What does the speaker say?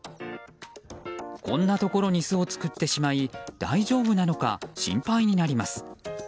こんなところに巣を作ってしまい大丈夫なのか心配になります。